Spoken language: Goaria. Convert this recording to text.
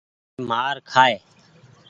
آج مآر کآئي۔